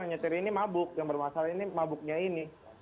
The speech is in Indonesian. nyetir ini mabuk yang bermasalah ini mabuknya ini